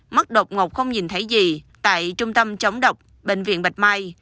mắt độc ngột không nhìn thấy gì tại trung tâm chống độc bệnh viện bạch mai